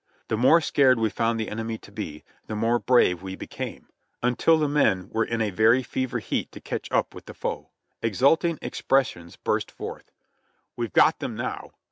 The more scared we found the enemy to be, the more brave we became, until the men were in a \ cry fever heat to catch up with the foe. Exulting expressions burst forth, "We've got them now